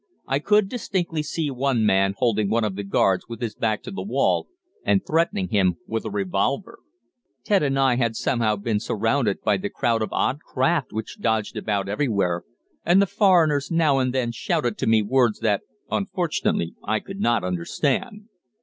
I could distinctly see one man holding one of the guards with his back to the wall, and threatening him with a revolver. "Ted and I had somehow been surrounded by the crowd of odd craft which dodged about everywhere, and the foreigners now and then shouted to me words that unfortunately I could not understand.